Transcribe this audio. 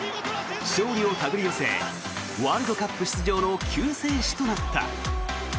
勝利を手繰り寄せワールドカップ出場の救世主となった。